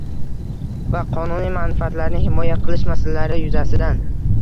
va qonuniy manfaatlarini himoya qilish masalalari yuzasidan